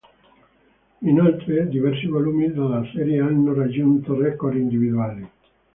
Inoltre, diversi volumi della serie hanno raggiunto record individuali.